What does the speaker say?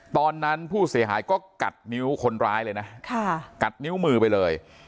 ตอนนั้นผู้เสียหายก็กัดนิ้วคนร้ายเลยนะกัดนิ้วมือไปเลย